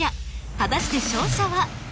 果たして勝者は？